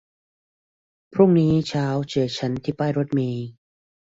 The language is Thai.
พรุ่งนี้เช้าเจอฉันที่ป้ายรถเมล์